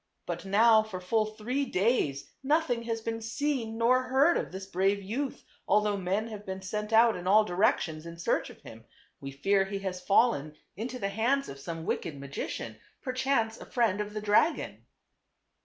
But now for full three days nothing has been seen nor heard of this brave youth, although men have been sent out in all directions in search of him. We fear he has fallen into the hands of some wicked magician, perchance a friend of the dragon."